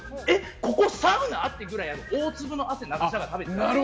ここサウナってぐらい大粒の汗を流しながら食べてたので。